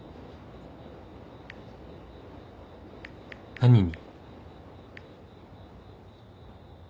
「何に？」